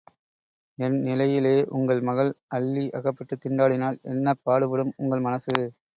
என் நிலையிலே உங்கள் மகள் அல்லி அகப்பட்டுத் திண்டாடினால் என்ன பாடுபடும் உங்கள் மனசு?